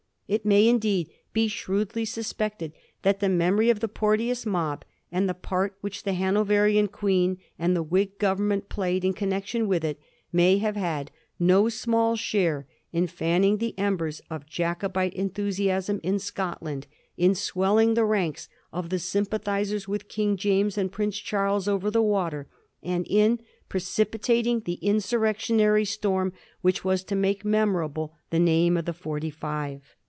It may in deed be shrewdly suspected that the memory of the Por teous mob, and of the part which the Hanoverian Queen and the Whig Government played in connection with it, may have had no small share in fanning the embers of Jacobite enthusiasm in Scotland in swelling the ranks of the sympathizers with King James and Prince Charles over the water, and in precipitating the insurrectionary storm which was to make memorable the name of the Forty five.